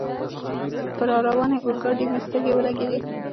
پر را روانې اورګاډي مې سترګې ولګېدلې.